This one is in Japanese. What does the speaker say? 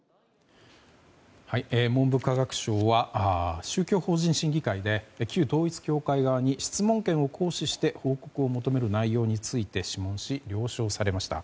文部科学省は宗教法人審議会で旧統一教会側に質問権を行使して報告を求める内容について諮問し、了承されました。